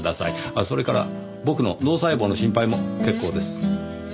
あっそれから僕の脳細胞の心配も結構です。